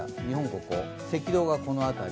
赤道がこの辺り。